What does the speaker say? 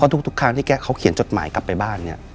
ทุกครั้งที่เขาเขียนจดหมายกลับไปบ้านเนี่ย